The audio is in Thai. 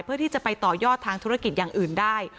เพื่อที่จะไปต่อยอดทางธุรกิจอย่างอื่นได้